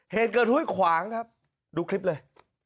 เหตุเกิดห้วยขวางครับดูคลิปเลย